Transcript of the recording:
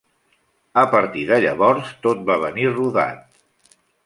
A partir de llavors tot va venir rodat.